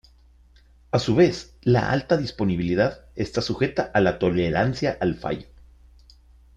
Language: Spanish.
A su vez, la alta disponibilidad está sujeta a la tolerancia al fallo.